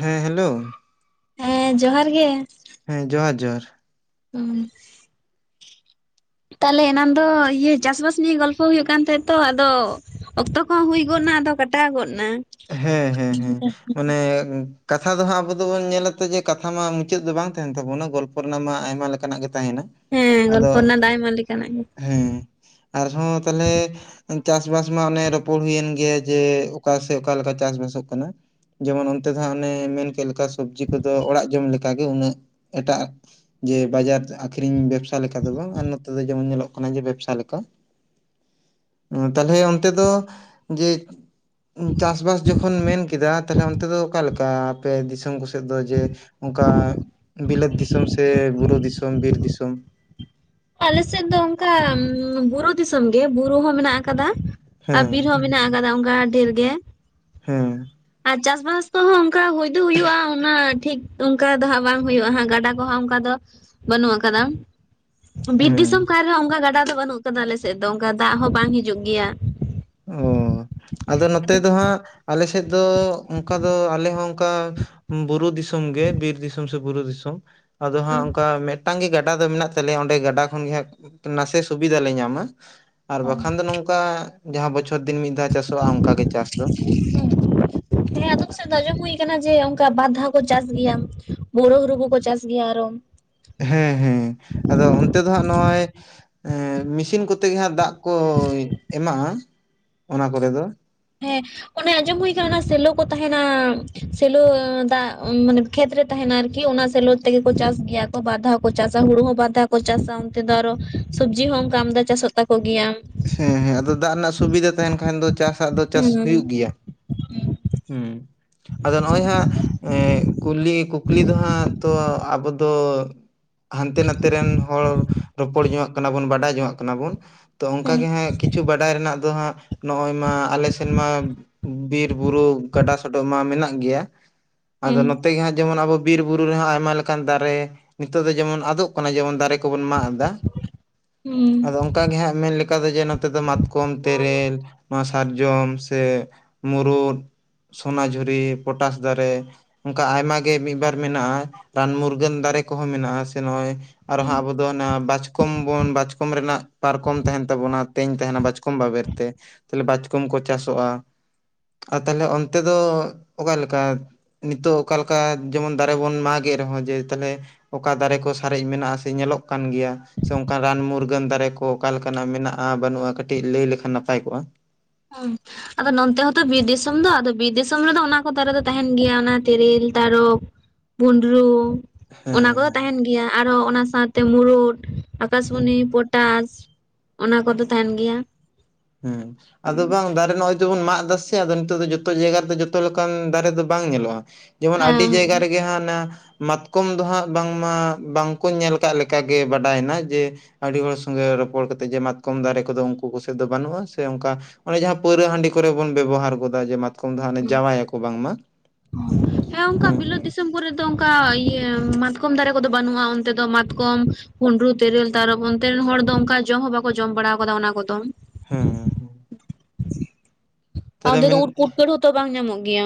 ᱦᱮᱸ ᱦᱮᱞᱳ᱾ ᱦᱮᱸ ᱡᱚᱸᱦᱟᱨ ᱜᱮ᱾ ᱦᱮᱸ ᱡᱚᱸᱦᱟᱨ ᱡᱚᱸᱦᱟᱨ᱾ ᱩᱸ᱾ ᱛᱟᱞᱦᱮ ᱮᱱᱟᱱ ᱫᱚ ᱤᱭᱟᱹ ᱪᱟᱥᱵᱟᱥ ᱱᱤᱭᱮ ᱜᱚᱞᱯᱷᱚ ᱦᱩᱭᱩᱜ ᱠᱟᱱ ᱛᱟᱦᱮᱸᱜ ᱛᱚ ᱟᱫᱚ ᱚᱠᱛᱚ ᱠᱚᱦᱚᱸ ᱦᱩᱭ ᱜᱚᱫ ᱱᱟ ᱟᱫᱚ ᱠᱟᱴᱟᱣ ᱜᱚᱫ ᱱᱟ᱾ ᱦᱮᱸ ᱦᱮᱸ ᱦᱮᱸ ᱢᱟᱱᱮ ᱠᱟᱛᱷᱟ ᱫᱚ ᱦᱟᱸᱜ ᱟᱵᱚ ᱫᱚᱵᱚᱱ ᱧᱮᱞᱟ ᱛᱚ ᱡᱮ ᱠᱟᱛᱷᱟ ᱢᱟ ᱢᱩᱪᱟᱹᱫ ᱫᱚ ᱵᱟᱝ ᱛᱟᱦᱮᱸᱱ ᱛᱟᱵᱚᱱᱟ ᱜᱚᱞᱯᱷᱚ ᱨᱮᱱᱟᱜ ᱢᱟ ᱟᱭᱢᱟ ᱞᱮᱠᱟᱱᱟᱜ ᱜᱮ ᱛᱟᱦᱮᱸᱱᱟ᱾ ᱦᱮᱸ ᱜᱚᱞᱯᱷᱚ ᱨᱮᱱᱟᱜ ᱫᱚ ᱟᱭᱢᱟ ᱞᱮᱠᱟᱱᱟᱜ ᱜᱮ᱾ ᱦᱮᱸ᱾ ᱟᱨᱦᱚᱸ ᱛᱟᱞᱦᱮ ᱪᱟᱥᱵᱟᱥ ᱢᱟ ᱚᱱᱮ ᱨᱚᱯᱚᱲ ᱦᱩᱭᱮᱱ ᱜᱮᱭᱟ ᱡᱮ ᱚᱠᱟ ᱛᱮ ᱚᱠᱟ ᱞᱮᱠᱟ ᱪᱟᱥ ᱵᱟᱥᱚᱜ ᱠᱟᱱᱟ? ᱡᱮᱢᱚᱱ ᱚᱱᱛᱮ ᱫᱚ ᱦᱟᱸᱜ ᱚᱱᱮ ᱢᱮᱱ ᱠᱮᱜ ᱞᱮᱠᱟ ᱥᱚᱵᱽᱡᱤ ᱠᱚᱫᱚ ᱚᱲᱟᱜ ᱡᱚᱢ ᱞᱮᱠᱟᱜᱮ ᱩᱱᱟᱹᱜ ᱮᱴᱟᱜ ᱡᱮ ᱵᱟᱡᱟᱨ ᱟᱠᱷᱨᱤᱧ ᱵᱮᱵᱥᱟ ᱞᱮᱠᱟ ᱫᱚ ᱵᱟᱝ ᱟᱨ ᱱᱚᱛᱮ ᱫᱚ ᱡᱮᱢᱚᱱ ᱧᱮᱞᱚᱜ ᱠᱟᱱᱟ ᱡᱮ ᱵᱮᱵᱥᱟ ᱞᱮᱠᱟ᱾ [inaudible] ᱩᱸ ᱛᱟᱞᱦᱮ ᱚᱱᱛᱮ ᱫᱚ ᱡᱮ ᱩᱸ ᱪᱟᱥ ᱵᱟᱥ ᱡᱚᱠᱷᱚᱱ ᱢᱮᱱ ᱠᱮᱫᱟ ᱛᱟᱞᱦᱮ ᱚᱱᱛᱮ ᱫᱚ ᱚᱠᱟ ᱞᱮ ᱠᱟ ᱟᱯᱮ ᱫᱤᱥᱚᱢ ᱠᱚ ᱥᱮᱫ ᱫᱚ ᱡᱮ ᱚᱱᱠᱟ ᱵᱤᱞᱟᱹᱛ ᱫᱤᱥᱚᱢ ᱥᱮ ᱵᱩᱨᱩ ᱫᱤᱥ ᱥᱚᱢ ᱵᱤᱨ ᱫᱤᱥᱚᱢ? ᱟᱞᱮ ᱥᱮᱫ ᱫᱚ ᱚᱱᱠᱟ ᱩᱸ ᱵᱩᱨᱩ ᱫᱤᱥᱚᱢ ᱜᱮ, ᱵᱩᱨᱩ ᱦᱚᱸ ᱢᱮᱱᱟᱜ ᱟᱠᱟᱫᱟ᱾ ᱟᱨ ᱦᱮᱸ ᱵᱤᱨ ᱦᱚᱸ ᱢᱮᱱᱟᱜ ᱟᱠᱟᱫᱟ ᱚᱱᱠᱟ ᱰᱷᱮᱨ ᱜᱮ᱾ ᱦᱮᱸ᱾ ᱟᱨ ᱪᱟᱥᱵᱟᱥ ᱠᱚᱦᱚᱸ ᱚᱱᱠᱟ ᱦᱳᱭ ᱫᱚ ᱦᱩᱭᱩᱜᱼᱟ ᱩᱱᱟᱹᱜ ᱴᱷᱤᱠ ᱚᱱᱠᱟ ᱫᱚ ᱦᱟᱸᱜ ᱵᱟᱝ ᱦᱳᱭᱳᱜ-ᱟ ᱦᱟᱸᱜ ᱜᱟᱰᱟ ᱠᱚ ᱦᱟᱸᱜ ᱚᱱᱠᱟ ᱫᱚ ᱵᱟᱹᱱᱩᱜ ᱟᱠᱟᱫᱟ ᱾ ᱵᱤᱨ ᱫᱤᱥᱚᱢ ᱦᱮᱸ ᱠᱟᱱ ᱨᱮᱦᱚᱸ ᱚᱱᱠᱟ ᱜᱟᱰᱟ ᱫᱚ ᱵᱟᱹᱱᱩᱜ ᱠᱟᱫᱟ ᱟᱞᱮ ᱥᱮᱫ ᱫᱚ ᱚᱱᱠᱟ ᱫᱟᱜ ᱦᱚᱸ ᱵᱟᱝ ᱦᱤᱡᱩᱜ ᱜᱮᱭᱟ ᱾ ᱚ ᱟᱫᱚ ᱱᱚᱛᱮ ᱫᱚ ᱦᱟᱸᱜ ᱟᱞᱮ ᱥᱮᱫ ᱫᱚ ᱚᱱᱠᱟ ᱫᱚ ᱟᱞᱮ ᱦᱚᱸ ᱚᱱᱠᱟ ᱵᱩᱨᱩ ᱫᱤᱥᱚᱢ ᱜᱮ ᱵᱤᱨ ᱫᱤᱥᱚᱢ ᱥᱮ ᱵᱩᱨᱩ ᱫᱤᱥᱚᱢ ᱟᱫᱚ ᱦᱩᱸ ᱦᱟᱸᱜ ᱚᱱᱠᱟ ᱢᱮᱫ ᱴᱟᱝ ᱜᱮ ᱜᱟᱰᱟ ᱫᱚ ᱢᱮᱱᱟᱜ ᱛᱟᱞᱮᱭᱟ ᱚᱸᱰᱮ ᱜᱟᱰᱟ ᱠᱷᱚᱱᱜᱮ ᱦᱟᱸᱜ ᱱᱟᱥᱮ ᱥᱩᱵᱤᱫᱷᱟ ᱞᱮ ᱧᱟᱢᱟ ᱾ ᱟᱨ ᱵᱟᱠᱷᱟᱱ ᱫᱚ ᱱᱚᱝᱠᱟ ᱡᱟᱦᱟᱸ ᱵᱚᱪᱷᱚᱨ ᱫᱤᱱ ᱢᱤᱫ ᱫᱷᱟᱣ ᱪᱟᱥᱚᱜ-ᱟ ᱚᱱᱠᱟ ᱜᱮ ᱪᱟᱥ ᱫᱚ ᱾ ᱦᱮᱸ ᱦᱮᱸ ᱟᱫᱚᱢ ᱥᱮᱫ ᱫᱚ ᱟᱸᱡᱚᱢ ᱦᱩᱭ ᱠᱟᱱᱟ ᱡᱮ ᱚᱱᱠᱟ ᱵᱟᱨ ᱫᱷᱟᱣ ᱠᱚ ᱪᱟᱥ ᱜᱮᱭᱟ ᱾ ᱵᱳᱨᱳ ᱦᱩᱨᱩ ᱠᱚᱠᱚ ᱪᱟᱥ ᱜᱮᱭᱟ ᱟᱨᱚ ᱾ ᱦᱮᱸ ᱦᱮᱸ ᱾ ᱟᱫᱚ ᱚᱱᱛᱮ ᱫᱚ ᱦᱟᱸᱜ ᱱᱚᱜ-ᱚᱭ ᱮᱸ ᱢᱤᱥᱤᱱ ᱠᱚᱛᱮ ᱜᱮ ᱦᱟᱸᱜ ᱫᱟᱜ ᱠᱚ ᱮᱢᱟᱜ-ᱟ [inaudible] ᱚᱱᱟ ᱠᱚᱨᱮ ᱫᱚ ᱾ ᱦᱮᱸ ᱚᱱᱮ ᱟᱸᱡᱚᱢ ᱦᱩᱭ ᱠᱟᱱᱟ ᱚᱱᱟ ᱥᱮᱞᱚ ᱠᱚ ᱛᱟᱦᱮᱸᱱᱟ ᱥᱮᱞᱚ ᱫᱟᱜ ᱢᱟᱱᱮ ᱠᱷᱮᱛ ᱨᱮ ᱛᱟᱦᱮᱸᱱᱟ ᱟᱨᱠᱤ ᱚᱱᱟ ᱥᱮᱞᱚ ᱛᱮᱜᱮ ᱠᱚ ᱪᱟᱥ ᱜᱮᱭᱟ ᱠᱚ ᱵᱟᱨ ᱫᱷᱟᱣ ᱠᱚ ᱪᱟᱥᱟ ᱦᱩᱲᱩ ᱦᱚᱸ ᱵᱟᱨ ᱫᱷᱟᱣ ᱠᱚ ᱪᱟᱥᱟ ᱚᱱᱛᱮ ᱫᱚ ᱟᱨᱚ ᱥᱚᱵᱽᱡᱤ ᱦᱚᱸ ᱚᱱᱠᱟ ᱟᱢᱫᱟ ᱪᱟᱥᱚᱜ ᱛᱟᱠᱚ ᱜᱮᱭᱟ ᱾ ᱦᱮᱸ ᱦᱮᱸ ᱟᱫᱚ ᱫᱟᱜ ᱨᱮᱱᱟᱜ ᱥᱩᱵᱤᱫᱟ ᱛᱟᱦᱮᱸᱱ ᱠᱷᱟᱱ ᱫᱚ ᱪᱟᱥ ᱟᱜ ᱫᱚ ᱪᱟᱥ ᱦᱩᱸ ᱦᱩᱭᱩᱜ ᱜᱮᱭᱟ ᱾ ᱦᱩᱸ ᱟᱫᱚ ᱱᱚᱜ-ᱚᱭ ᱦᱟᱸᱜ ᱮᱸ ᱠᱩᱞᱤ ᱠᱩᱠᱞᱤ ᱫᱚ ᱦᱟᱸᱜ ᱛᱚ ᱟᱵᱚ ᱫᱚ ᱦᱟᱱᱛᱮ ᱱᱟᱛᱮ ᱨᱮᱱ ᱦᱚᱲ ᱨᱚᱯᱚᱲ ᱡᱚᱝᱟᱜ ᱠᱟᱱᱟ ᱵᱚᱱ ᱵᱟᱰᱟᱭ ᱡᱚᱝᱟᱜ ᱠᱟᱱᱟ ᱵᱚᱱ ᱾ ᱛᱚ ᱚᱱᱠᱟ ᱦᱮᱸ ᱜᱮ ᱦᱟᱸᱜ ᱠᱤᱪᱷᱩ ᱵᱟᱰᱟᱭ ᱨᱮᱱᱟᱜ ᱫᱚ ᱦᱟᱸᱜ ᱱᱚᱜ-ᱚᱭ ᱢᱟ ᱟᱞᱮ ᱥᱮᱱ ᱢᱟ ᱵᱤᱨ ᱵᱩᱨᱩ ᱜᱟᱰᱟ ᱥᱚᱰᱚᱜ ᱢᱟ ᱢᱮᱱᱟᱜ ᱜᱮᱭᱟ ᱾ [inaudible] ᱟᱫᱚ ᱦᱩᱸ ᱱᱚᱛᱮ ᱜᱮ ᱦᱟᱸᱜ ᱡᱮᱢᱚᱱ ᱟᱵᱚ ᱵᱤᱨ ᱵᱩᱨᱩ ᱨᱮᱦᱚᱸ ᱟᱭᱢᱟ ᱞᱮᱠᱟᱱ ᱫᱟᱨᱮ ᱱᱤᱛᱚᱜ ᱫᱚ ᱡᱮᱢᱚᱱ ᱟᱫᱚᱜ ᱠᱟᱱᱟ ᱡᱮᱢᱚᱱ ᱫᱟᱨᱮ ᱠᱚᱵᱚᱱ ᱢᱟᱜ ᱮᱫᱟ ᱾ ᱟᱫᱚ ᱚᱱᱠᱟ ᱜᱮ ᱦᱟᱸᱜ ᱢᱮᱱ ᱞᱮᱠᱟ ᱫᱚ ᱡᱮ ᱱᱚᱛᱮ ᱫᱚ ᱢᱟᱛᱠᱚᱢ ᱛᱮᱨᱮᱞ ᱢᱟᱥ ᱥᱟᱨᱡᱚᱢ ᱥᱮ ᱢᱩᱨᱩᱫ ᱥᱚᱱᱟᱡᱷᱩᱨᱤ ᱯᱚᱴᱟᱥ ᱫᱟᱨᱮ ᱚᱱᱠᱟ ᱟᱭᱢᱟ ᱜᱮ ᱢᱤᱫ ᱵᱟᱨ ᱢᱮᱱᱟᱜ-ᱟ ᱨᱟᱱ ᱢᱩᱨᱜᱟᱹᱱ ᱫᱟᱨᱮ ᱠᱚᱦᱚᱸ ᱢᱮᱱᱟᱜ-ᱟ ᱥᱮ ᱱᱚᱜ-ᱚᱭ ᱦᱩᱸ ᱟᱨᱦᱚᱸ ᱟᱵᱚ ᱟᱫᱚ ᱚᱱᱟ ᱵᱟᱪᱠᱚᱢ ᱵᱚᱱ ᱵᱟᱪᱠᱚᱢ ᱨᱮᱱᱟᱜ ᱯᱟᱨᱠᱚᱢ ᱛᱟᱦᱮᱸᱱ ᱛᱟᱵᱚᱱᱟ ᱛᱮᱧ ᱛᱟᱦᱮᱸᱱᱟ ᱵᱟᱪᱠᱚᱢ ᱵᱟᱵᱮᱨ ᱛᱮ ᱾ ᱛᱟᱞᱦᱮ ᱵᱟᱪᱠᱚᱢ ᱠᱚ ᱪᱟᱥᱚᱜ-ᱟ ᱾ ᱟᱨ ᱛᱟᱦᱞᱮ ᱚᱱᱛᱮ ᱫᱚ ᱚᱠᱟ ᱞᱮᱠᱟ? ᱱᱤᱛᱚᱜ ᱚᱠᱟ ᱞᱮᱠᱟ ᱡᱮᱢᱚᱱ ᱫᱟᱨᱮ ᱵᱚᱱ ᱢᱟᱜᱮᱫ ᱨᱮᱦᱚᱸ ᱡᱮ ᱛᱟᱞᱦᱮ ᱚᱠᱟ ᱫᱟᱨᱮ ᱠᱚ ᱥᱟᱨᱮᱡ ᱢᱮᱱᱟᱜ-ᱟ ᱥᱮ ᱧᱮᱞᱚᱜ ᱠᱟᱱ ᱜᱮᱭᱟ ᱥᱮ ᱚᱱᱠᱟᱱ ᱨᱟᱱ ᱢᱩᱨᱜᱟᱹᱱ ᱫᱟᱨᱮ ᱠᱚ ᱚᱠᱟ ᱞᱮᱠᱟᱱᱟᱜ ᱢᱮᱱᱟᱜ-ᱟ ᱵᱟᱹᱱᱩᱜ-ᱟ ᱠᱟᱹᱴᱤᱡ ᱞᱟᱹᱭ ᱞᱮᱠᱷᱟᱱ ᱱᱟᱯᱟᱭ ᱠᱚᱜ-ᱟ ᱾ ᱟᱢ ᱟᱫᱚ ᱱᱚᱱᱛᱮ ᱦᱚᱸᱛᱚ ᱵᱤᱨ ᱫᱤᱥᱚᱢ ᱫᱚ ᱟᱫᱚ ᱵᱤᱨ ᱫᱤᱥᱚᱢ ᱨᱮᱫᱚ ᱚᱱᱟ ᱠᱚ ᱫᱟᱨᱮ ᱫᱚ ᱛᱟᱦᱮᱱ ᱜᱮᱭᱟ ᱚᱱᱟ ᱛᱮᱨᱮᱞ ᱛᱟᱨᱚᱵ ᱵᱷᱩᱸᱰᱨᱩ ᱦᱮᱸ ᱚᱱᱟ ᱠᱚᱫᱚ ᱦᱮᱸ ᱛᱟᱦᱮᱱ ᱜᱮᱭᱟ, ᱟᱨᱚ ᱚᱱᱟ ᱥᱟᱶᱛᱮ ᱢᱩᱨᱩᱫ᱾ ᱦᱮᱸ ᱟᱠᱟᱥᱢᱚᱱᱤ ᱯᱚᱴᱟᱥ ᱚᱱᱟ ᱠᱚᱫᱚ ᱛᱟᱦᱮᱱ ᱜᱮᱭᱟ᱾ ᱦᱮᱸ ᱟᱫᱚ ᱵᱟᱝ ᱫᱟᱨᱮ ᱱᱚᱜ-ᱚᱭ ᱡᱮᱢᱚᱱ ᱢᱟᱜ ᱮᱫᱟ ᱥᱮ ᱟᱫᱚ ᱱᱤᱛᱚᱜ ᱫᱚ ᱡᱚᱛᱚ ᱡᱟᱭᱜᱟ ᱨᱮᱫᱚ ᱡᱚᱛᱚ ᱞᱮᱠᱟᱱ ᱫᱟᱨᱮ ᱫᱚ ᱵᱟᱝ ᱧᱮᱞᱚᱜ-ᱟ᱾ ᱡᱮᱢᱚᱱ ᱟᱹᱰᱤ ᱡᱟᱭᱜᱟ ᱦᱮᱸ ᱨᱮᱜᱮ ᱦᱟᱜ ᱚᱱᱟ ᱢᱟᱛᱠᱚᱢ ᱫᱚ ᱦᱟᱸᱜ ᱵᱟᱝᱢᱟ ᱵᱟᱝ ᱠᱚ ᱧᱮᱞ ᱠᱟᱜ ᱞᱮᱠᱟ ᱜᱮ ᱵᱟᱰᱟᱭ ᱮᱱᱟ ᱡᱮ ᱟᱹᱰᱤ ᱦᱚᱲ ᱥᱚᱸᱜᱮ ᱨᱚᱯᱚᱲ ᱠᱟᱛᱮᱜ ᱡᱮ ᱢᱟᱛᱠᱚᱢ ᱫᱟᱨᱮ ᱠᱚᱫᱚ ᱩᱱᱠᱩ ᱠᱚᱥᱮᱫ ᱫᱚ ᱵᱟᱹᱱᱩᱜ-ᱟ ᱥᱮ ᱚᱱᱠᱟ ᱚᱱᱮ ᱡᱟᱦᱟᱸ ᱯᱟᱹᱣᱨᱟᱹ ᱦᱟᱺᱰᱤ ᱠᱚᱨᱮ ᱵᱚᱱ ᱵᱮᱵᱚᱦᱟᱨ ᱜᱚᱫᱟ ᱡᱮ ᱢᱟᱛ ᱠᱚᱢ ᱫᱚ ᱡᱟᱣᱟᱭᱟᱠᱚ ᱵᱟᱝ ᱢᱟ ᱾ ᱦᱮᱸ [inaudible] ᱚᱱᱠᱟ ᱦᱩᱸ ᱾ ᱵᱤᱞᱟᱹᱛ ᱫᱤᱥᱚᱢ ᱠᱚᱨᱮ ᱫᱚ ᱚᱱᱠᱟ ᱤᱭᱟᱹ ᱢᱟᱛᱠᱚᱢ ᱫᱟᱨᱮ ᱠᱚᱫᱚ ᱵᱟᱹᱱᱩᱜ-ᱟ, ᱚᱱᱛᱮ ᱫᱚ ᱢᱟᱛᱠᱚᱢ ᱵᱷᱩᱸᱰᱨᱩ ᱛᱮᱨᱮᱞ ᱛᱟᱨᱚᱵ ᱚᱱᱛᱮ ᱨᱮᱱ ᱦᱚᱲ ᱫᱚ ᱚᱱᱠᱟ ᱡᱚᱢ ᱦᱚᱸ ᱵᱟᱠᱚ ᱡᱚᱢ ᱵᱟᱲᱟ ᱟᱠᱟᱫᱟ ᱚᱱᱟ ᱠᱚᱫᱚ᱾ ᱦᱩᱸ ᱾ [inaudible] ᱟᱨ ᱚᱱᱛᱮ ᱫᱚ ᱢᱮᱱ ᱩᱫ ᱯᱩᱴᱠᱟᱹ ᱦᱚᱸᱛᱚ ᱵᱟᱝ ᱧᱟᱢᱚᱜ ᱜᱮᱭᱟ᱾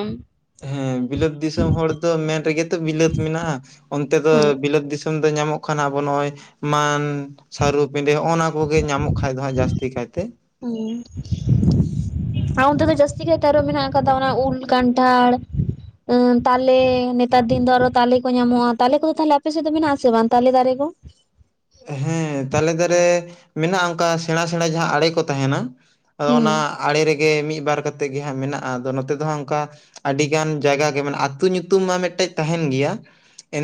ᱦᱮᱸ ᱵᱤᱞᱟᱹᱛ ᱫᱤᱥᱚᱢ ᱦᱚᱲ ᱫᱚ ᱢᱮᱱ ᱨᱮᱜᱮ ᱛᱚ ᱵᱤᱞᱟᱹᱛ ᱢᱮᱱᱟᱜ-ᱟ ᱚᱱᱛᱮ ᱫᱚ ᱦᱩᱸ ᱵᱤᱞᱟᱹᱛ ᱫᱤᱥ ᱧᱟᱢ ᱫᱚ ᱧᱟᱢᱚᱜ ᱠᱷᱟᱱ ᱟᱵᱚ ᱱᱚᱜᱼᱚᱭ ᱢᱟᱱ, ᱥᱟᱹᱨᱩ, ᱯᱤᱸᱰᱟᱹ ᱦᱚᱸᱜᱼ ᱱᱟ ᱠᱚᱜᱮ ᱧᱟᱢᱚᱜ ᱠᱷᱟᱭ ᱫᱚ ᱦᱟᱸᱜ ᱡᱟᱹᱥᱛᱤ ᱠᱟᱭ ᱛᱮ᱾ ᱦᱩᱸ ᱟᱨ ᱚᱱᱛᱮ ᱫᱚ ᱡᱟᱹᱥᱛᱤ ᱜᱮ ᱛᱟᱨᱚᱵ ᱢᱮᱱᱟᱜ ᱟᱠᱟᱫᱟ ᱚᱱᱟ ᱩᱞ, ᱠᱟᱱᱴᱷᱟᱲ᱾ ᱮᱸ ᱛᱟᱞᱮ ᱱᱮᱛᱟᱨ ᱫᱤᱱ ᱫᱚ ᱟᱨᱦᱚᱸ ᱛᱟᱞᱮ ᱠᱚ ᱧᱟᱢᱚᱜᱼᱟ᱾ᱛᱟᱞᱮ ᱠᱚᱫᱚ ᱛᱟᱦᱚᱞᱮ ᱟᱯᱮ ᱥᱮᱜ ᱫᱚ ᱢᱮᱱᱟᱜ ᱟᱥᱮ ᱵᱟᱝ ᱛᱟᱞᱮ ᱫᱟᱨᱮ ᱠᱚ? ᱦᱮᱸ ᱛᱟᱞᱮ ᱫᱟᱨᱮ ᱢᱮᱱᱟᱜᱼᱟ ᱚᱱᱠᱟ ᱥᱮᱬᱟ ᱥᱮᱬᱟ ᱡᱟᱦᱟᱸ ᱟᱲᱮ ᱠᱚ ᱛᱟᱦᱮᱸᱱᱟ᱾ ᱟᱫᱚ ᱦᱩᱸ ᱚᱱᱟ ᱟᱲᱮ ᱨᱮᱜᱮ ᱢᱤᱫ ᱵᱟᱨ ᱠᱟ ᱠᱟᱛᱮᱜ ᱜᱮ ᱦᱟᱸᱜ ᱢᱮᱱᱟᱜᱼᱟ ᱟᱫᱚ ᱱᱚᱛᱮ ᱫᱚ ᱦᱟᱸᱜ ᱚᱝᱠᱟ ᱟᱹᱰᱤᱜᱟᱱ ᱡᱟᱭᱜᱟ ᱜᱮ ᱢᱟᱱᱮ ᱟᱹᱛᱩ ᱧᱩᱛᱩᱢ ᱢᱟ ᱢᱤᱜᱴᱮᱜ ᱛᱟᱦᱮᱸᱱ ᱜᱮᱭᱟ᱾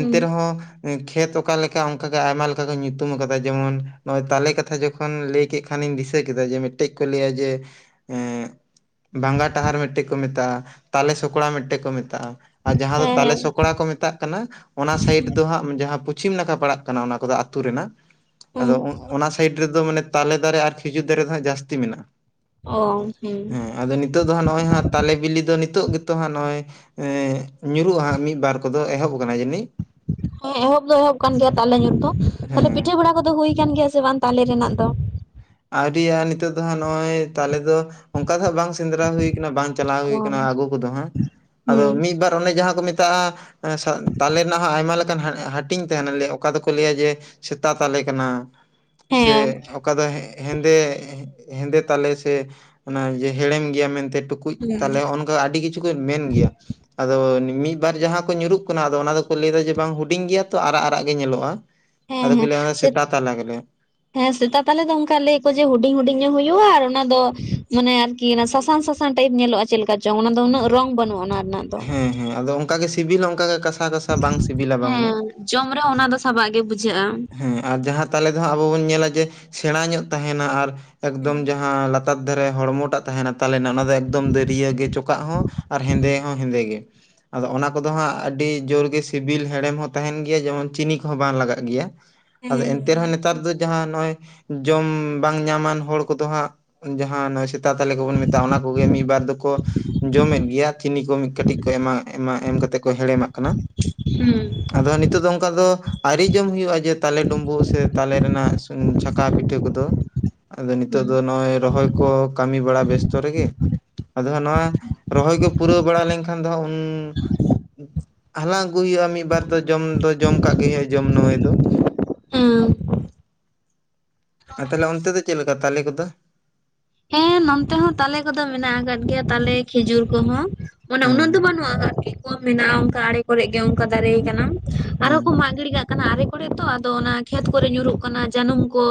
ᱦᱩᱸ ᱨᱮᱦᱚᱸ ᱠᱷᱮᱛ ᱚᱠᱟ ᱞᱮᱠᱟ, ᱚᱱᱠᱟ ᱜᱮ ᱟᱭᱢᱟ ᱞᱮᱠᱟ ᱚᱱᱠᱟ ᱠᱚ ᱧᱩᱛᱩᱢ ᱠᱟᱫᱟ ᱡᱮᱢᱚᱱ ᱱᱚᱜᱼᱚᱭ ᱛᱟᱞᱮ ᱠᱟᱛᱷᱟ ᱡᱚᱠᱷᱚᱱ ᱞᱟᱹᱭ ᱠᱮᱜ ᱠᱷᱟᱱᱤᱧ ᱫᱤᱥᱟᱹ ᱠᱮᱫᱟ ᱡᱮ ᱢᱤᱜᱴᱮᱜ ᱠᱚ ᱞᱟᱹᱭᱟ ᱡᱮ, ᱮᱸ ᱵᱷᱜᱟ ᱴᱟᱦᱟᱨ ᱢᱤᱜᱴᱮᱜ ᱠᱚ ᱢᱮᱛᱟᱜᱼᱟ, ᱛᱟᱞᱮ ᱥᱚᱠᱲᱟ ᱢᱤᱜᱴᱮᱜ ᱠᱚ ᱢᱮᱛᱟᱜᱼᱟ᱾ ᱟᱨ ᱡᱟᱦᱟᱸ ᱫᱚ ᱦᱮᱸ ᱛᱟᱞᱮ ᱦᱮᱸ ᱥᱚᱠᱲᱟ ᱠᱚ ᱢᱮᱛᱟᱜ ᱠᱟᱱᱟ ᱚᱱᱟ ᱥᱟᱭᱤᱰ ᱫᱚ ᱦᱟᱸᱜ ᱡᱟᱦᱟᱸ ᱯᱚᱪᱷᱤᱢ ᱱᱟᱠᱷᱟ ᱯᱟᱲᱟᱜ ᱠᱟᱱᱟ ᱚᱱᱟ ᱠᱚᱫᱚ ᱟᱹᱛᱩ ᱨᱮᱱᱟᱜ ᱦᱩᱸ ᱟᱫᱚ ᱚᱱᱟ ᱥᱟᱭᱤᱰ ᱨᱮᱫᱚ ᱢᱟᱱᱮ ᱛᱟᱞᱮ ᱫᱟᱨᱮ ᱟᱨ ᱠᱷᱤᱡᱩᱨ ᱫᱟᱨᱮ ᱫᱚ ᱦᱟᱸᱜ ᱡᱟᱹᱥᱛᱤ ᱢᱮᱱᱟᱜᱼᱟ᱾ ᱚ ᱦᱩᱸ ᱦᱩᱸ, ᱦᱮᱸ ᱟᱫᱚ ᱱᱤᱛᱚᱜ ᱫᱚ ᱦᱟᱸᱜ ᱱᱚᱜᱼᱚᱭ ᱦᱟᱸᱜ ᱛᱟᱞᱮ ᱵᱤᱞᱤ ᱫᱚ ᱱᱤᱛᱚᱜ ᱜᱮᱛᱚ ᱦᱟᱸᱜ ᱱᱚᱜᱼᱚᱭ ᱮᱸ ᱧᱩᱨᱩᱜᱼᱟ ᱦᱟᱸᱜ ᱢᱤᱜ ᱵᱟᱨ ᱠᱚᱫᱚ ᱮᱦᱚᱵ ᱠᱟᱱᱟ ᱡᱟᱹᱱᱤᱜ᱾ ᱦᱮᱸ ᱮᱦᱚᱵ ᱫᱚ ᱮᱦᱚᱵ ᱠᱟᱱ ᱜᱮᱭᱟ ᱛᱟᱞᱮ ᱧᱩᱨ ᱫᱚ, ᱦᱮᱸ ᱛᱟᱦᱞᱮ ᱯᱤᱴᱷᱟᱹ ᱵᱟᱲᱟ ᱠᱚᱫᱚ ᱦᱩᱭ ᱠᱟᱱ ᱜᱮᱭᱟ ᱥᱮ ᱵᱟᱝ ᱛᱟᱞᱮ ᱨᱮᱱᱟᱜ ᱫᱚ? ᱟᱹᱣᱨᱤᱼᱟ ᱱᱤᱛᱚᱜ ᱫᱚ ᱦᱟᱸᱜ ᱱᱚᱜᱼᱚᱭ ᱛᱟᱞᱮ ᱫᱚ ᱚᱝᱠᱟ ᱫᱚ ᱦᱟᱸᱜ ᱵᱟᱝ ᱥᱮᱸᱫᱽᱨᱟ ᱦᱩᱭ ᱠᱟᱱᱟ ᱵᱟᱝ ᱪᱟᱞᱟᱣ ᱦᱩᱭ ᱚ ᱠᱟᱱᱟ ᱟᱹᱜᱩ ᱠᱚᱫᱚ ᱦᱟᱸᱜ, ᱦᱩᱸ ᱟᱫᱚ ᱢᱤᱜ ᱵᱟᱨ ᱚᱱᱮ ᱡᱟᱦᱟᱸ ᱠᱚ ᱢᱮᱛᱟᱜᱼᱟ ᱮᱸ ᱥᱟ ᱛᱟᱞᱮ ᱨᱮᱱᱟᱜ ᱦᱚᱸ ᱟᱭᱢᱟ ᱞᱮᱠᱟᱱ ᱦᱟᱹᱴᱤᱧ ᱛᱟᱦᱮᱸᱱᱟ, ᱞᱮᱭᱟ ᱚᱠᱟ ᱫᱚᱠᱚ ᱞᱟᱹᱭᱟ ᱡᱮ ᱥᱮᱛᱟ ᱛᱟᱞᱮ ᱠᱟᱱᱟ, ᱥᱮ ᱦᱮᱸ ᱚᱠᱟ ᱫᱚ ᱦᱮᱸ ᱦᱮᱸᱫᱮ ᱦᱮᱸᱫᱮ ᱛᱟᱞᱮ ᱥᱮ ᱚᱱᱟ ᱡᱮ ᱦᱮᱲᱮᱢ ᱜᱮᱭᱟ ᱢᱮᱱᱛᱮ ᱴᱩᱠᱩᱡ ᱦᱮᱸ ᱛᱟᱞᱮ ᱦᱮᱸ ᱚᱱ ᱠᱟ ᱟᱹᱰᱤ ᱠᱤᱪᱷᱩ ᱠᱚ ᱢᱮᱱ ᱜᱮᱭᱟ᱾ ᱟᱫᱚ ᱢᱤᱜ ᱵᱟᱨ ᱡᱟᱦᱟᱸ ᱠᱚ ᱧᱩᱨᱩᱜ ᱠᱟᱱᱟ ᱟᱫᱚ ᱚᱱᱟ ᱫᱚᱠᱚ ᱞᱟᱹᱭ ᱫᱟ ᱡᱮ ᱵᱟᱝ ᱦᱩᱸᱰᱤᱧ ᱜᱮᱭᱟ ᱛᱚ ᱟᱨᱟᱜ ᱟᱨᱟᱜ ᱜᱮ ᱧᱮᱞᱚᱜᱼᱟ᱾ ᱟᱫᱚ ᱠᱚ ᱦᱮᱸ ᱞᱟᱹᱭᱟ ᱥᱮ ᱥᱮᱛᱟ ᱛᱟᱞᱮ ᱠᱚ ᱞᱟᱭᱟ᱾ ᱦᱮᱸ ᱥᱮᱛᱟ ᱛᱟᱞᱮ ᱫᱚ ᱚᱱᱠᱟ ᱞᱟᱹᱭᱟ ᱠᱚ ᱡᱮ ᱦᱩᱸᱰᱤᱧ ᱦᱩᱸᱰᱤᱧ ᱧᱚᱜ ᱦᱩᱭᱩᱜᱼᱟ, ᱟᱨ ᱚᱱᱟ ᱫᱚ ᱢᱟᱱᱮ ᱟᱨᱠᱤ ᱥᱟᱥᱟᱝ ᱥᱟ ᱥᱟᱝ ᱴᱟᱭᱤᱯ ᱧᱮᱞᱚᱜᱼᱟ ᱪᱮᱜ ᱞᱮᱠᱟ ᱪᱚᱝ ᱚᱱᱟ ᱫᱚ ᱩᱱᱟᱹᱜ ᱨᱚᱝ ᱵᱟᱹᱱᱩᱜᱼᱟ ᱚᱱᱟ ᱨᱮᱱᱟᱜ ᱫᱚ ᱦᱮᱸ ᱦᱮᱸ ᱟᱫᱚ ᱚᱝᱠᱟ ᱜᱮ ᱥᱤᱵᱤᱞ ᱦᱚᱸ ᱚᱝᱠᱟ ᱜᱮ ᱠᱟᱥᱟ ᱠᱟᱥᱟ ᱵᱟᱝ ᱥᱤᱵᱤᱞᱟ ᱵᱟᱝᱢᱟ᱾ ᱦᱮᱸ ᱡᱚᱢ ᱨᱮᱦᱚᱸ ᱚᱱᱟ ᱫᱚ ᱥᱟᱵᱟᱜ ᱜᱮ ᱵᱩᱡᱷᱟᱹᱜᱼᱟ᱾ ᱦᱮᱸ ᱟᱨ ᱡᱟᱦᱟᱸ ᱛᱟᱞᱮ ᱫᱚ ᱦᱟᱸᱜ ᱟᱵᱚ ᱵᱚᱱ ᱧᱮᱞᱟ ᱡᱮ ᱥᱮᱬᱟ ᱧᱚᱜ ᱛᱟᱦᱮᱸᱱᱟ ᱟᱨ ᱮᱠᱫᱚᱢ ᱡᱟᱦᱟᱸ ᱞᱟ ᱛᱟᱨ ᱫᱷᱟᱨᱮ ᱦᱚᱲᱢᱚ ᱴᱟᱜ ᱛᱟᱦᱮᱸᱱᱟ ᱛᱟᱞᱮᱱᱟ ᱚᱱᱟ ᱫᱚ ᱮᱠᱫᱚᱢ ᱫᱟᱹᱨᱤᱭᱟᱹ ᱜᱮ ᱪᱚᱠᱟᱜ ᱦᱚᱸ ᱟᱨ ᱦᱮᱸᱫᱮ ᱦᱚᱸ ᱦᱮᱸᱫᱮ ᱜᱮ᱾ ᱟᱫᱚ ᱚᱱᱟ ᱠᱚᱫᱚ ᱦᱟᱸᱜ ᱟᱹᱰᱤ ᱡᱳᱨ ᱜᱮ ᱥᱤᱵᱤᱞ ᱦᱮᱲᱮᱢ ᱦᱚᱸ ᱛᱟᱦᱮᱸᱱ ᱜᱮᱭᱟ ᱡᱮᱢᱚᱱ ᱪᱤᱱᱤ ᱠᱚᱦᱚᱸ ᱵᱟᱝ ᱞᱟᱜᱟᱜ ᱜᱮᱭᱟ᱾ ᱟᱫᱚ ᱮᱱᱛᱮ ᱨᱮᱦᱚᱸ ᱱᱮᱛᱟᱨ ᱫᱚ ᱡᱟᱦᱟᱸ ᱱᱚᱜᱼᱚᱭ ᱡᱚᱢ ᱵᱟᱝ ᱧᱟᱢᱟᱱ ᱦᱚᱲ ᱠᱚᱫᱚ ᱦᱟᱸᱜ, ᱡᱟᱦᱟᱸ ᱱᱚᱜᱼᱚᱭ ᱥᱮᱛᱟ ᱛᱟᱞᱮ ᱠᱚᱵᱚᱱ ᱢᱮᱛᱟᱜᱼᱟ ᱚᱱᱟ ᱠᱚᱜᱮ ᱢᱤᱜᱵᱟᱨ ᱫᱚᱠᱚ ᱡᱚᱢᱮᱫ ᱜᱮᱭᱟ ᱪᱤᱱᱤ ᱠᱚ ᱢᱤᱜ ᱠᱟᱹᱴᱤᱜ ᱠᱚ ᱮᱢᱟᱜ ᱮᱢᱟᱜ ᱮᱢ ᱠᱟᱛᱮᱜ ᱠᱚ ᱦᱮᱲᱮᱢᱟᱜ ᱠᱟᱱᱟ᱾ ᱦᱩᱸ, ᱟᱫᱚ ᱱᱤᱛᱳᱜ ᱫᱚ ᱚᱝᱠᱟ ᱫᱚ ᱟᱹᱣᱨᱤ ᱡᱚᱢ ᱦᱩᱭᱩᱜᱼᱟ, ᱡᱮ ᱛᱟᱞᱮ ᱰᱩᱢᱵᱩᱜ ᱥᱮ ᱛᱟᱞᱮ ᱨᱮᱱᱟᱜ ᱥᱩᱱᱩᱢ ᱪᱷᱟᱠᱟᱣ ᱯᱤᱴᱷᱟᱹ ᱠᱚᱫᱚ᱾ ᱟᱫᱚ ᱱᱤᱛᱚᱜ ᱦᱩᱸ ᱫᱚ ᱱᱚᱜᱼᱚᱭ ᱨᱚᱦᱚᱭ ᱠᱚ ᱠᱟᱹᱢᱤ ᱵᱟᱲᱟ ᱵᱮᱥᱛᱚ ᱨᱮᱜᱮ ᱟᱫᱚ ᱦᱟᱸᱜ ᱱᱚᱣᱟ ᱨᱚᱦᱚᱭ ᱠᱚ ᱯᱩᱨᱟᱹᱣ ᱵᱟᱲᱟ ᱞᱮᱱᱠᱷᱟᱱ ᱫᱚ ᱦᱟᱸᱜ ᱩᱱ ᱦᱟᱞᱟᱝ ᱟᱹᱜᱩ ᱦᱩᱭᱩᱜᱼᱟ ᱢᱤᱜᱵᱟᱨ ᱫᱚ ᱡᱚᱢ ᱫᱚ ᱡᱚᱢᱠᱟᱜ ᱜᱮ ᱦᱩᱭᱩᱜᱼᱟ ᱡᱚᱢ ᱱᱟᱹᱢᱟᱹᱭ ᱫᱚ᱾ ᱩᱸ, ᱟᱨ ᱛᱟᱦᱚᱞᱮ ᱚᱱᱛᱮ ᱫᱚ ᱪᱮᱜ ᱞᱮᱠᱟ ᱛᱟᱞᱮ ᱠᱚᱫᱚ? ᱦᱮᱸ ᱱᱚᱱᱛᱮ ᱦᱚᱸ ᱛᱟᱞᱮ ᱠᱚᱫᱚ ᱢᱮᱱᱟᱜ ᱟᱠᱟᱫ ᱜᱮᱭᱟ ᱛᱟᱞᱮ, ᱠᱷᱮᱡᱩᱨ ᱠᱚᱦᱚᱸ᱾ ᱢᱟᱱᱮ ᱩᱱᱟᱹᱜ ᱫᱚ ᱦᱮᱸ ᱵᱟᱹᱱᱩᱜ-ᱟ ᱟᱨᱠᱤ ᱠᱚᱢ ᱢᱮᱱᱟᱜ-ᱟ ᱚᱱᱠᱟ ᱟᱲᱮ ᱠᱚᱨᱮᱜ ᱜᱮ ᱚᱱᱠᱟ ᱫᱟᱨᱮ ᱟᱠᱟᱱᱟ᱾ ᱟᱨ ᱦᱮᱸ ᱦᱚᱸᱠᱚ ᱢᱟᱜ ᱜᱤᱲᱤ ᱠᱟᱜ ᱠᱟᱱᱟ ᱟᱲᱮ ᱠᱚᱨᱮ ᱛᱚ ᱟᱫᱚ ᱚᱱᱟ ᱠᱷᱮᱛ ᱠᱚᱨᱮ ᱧᱩᱨᱩᱜ ᱠᱟᱱᱟ ᱡᱟᱹᱱᱩᱢ ᱠᱚ